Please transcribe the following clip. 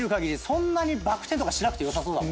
そんなにバク転とかしなくてよさそう。